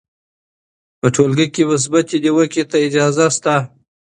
په ټولګي کې مثبتې نیوکې ته اجازه سته.